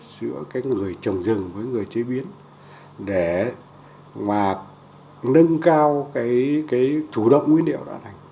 giữa cái người trồng rừng với người chế biến để mà nâng cao cái chủ động nguyên liệu đã thành